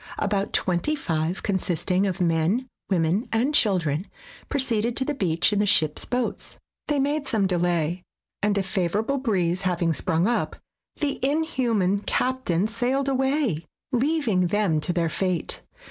About twenty five, consisting of men, women and children, proceeded to the beach in the ship 's boats. They made some delay, and a favorable breeze having sprung up, the inhuman captain sailed away, leaving them to their fate.